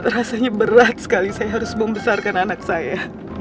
rasanya berat sekali saya harus membesarkan anak saya